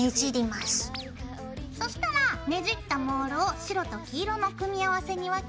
そしたらねじったモールを白と黄色の組み合わせに分けて。